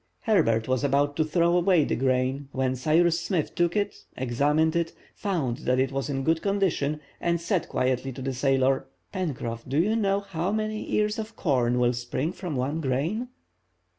Herbert was about to throw away the grain, when Cyrus Smith took it, examined it, found that it was in good condition, and said quietly to the sailor:— "Pencroff, do you know how many ears of corn will spring from one grain?"